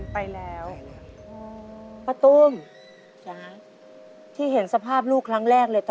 ไปแล้วประตุ้งใช่ที่เห็นสภาพลูกครั้งแรกเลยตอนนั้น